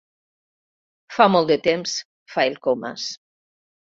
Fa molt de temps —fa el Comas.